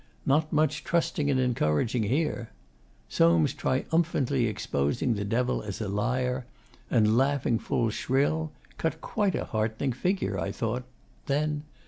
Not much 'trusting and encouraging' here! Soames triumphantly exposing the Devil as a liar, and laughing 'full shrill,' cut a quite heartening figure, I thought then!